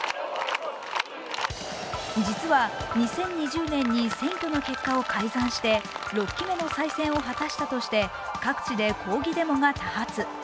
実は２０２０年に選挙の結果を改ざんして６期目の再選を果たしたとして各地で抗議デモが多発。